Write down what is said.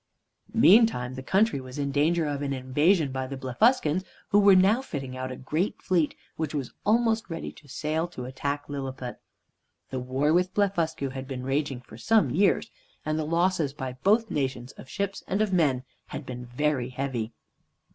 Meantime the country was in danger of an invasion by the Blefuscans, who were now fitting out a great fleet, which was almost ready to sail to attack Lilliput. The war with Blefuscu had been raging for some years, and the losses by both nations of ships and of men had been very heavy.